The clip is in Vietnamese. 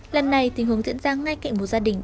đây là nghề của bọn em mà anh